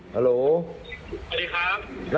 ฮัลโหลสวัสดีครับ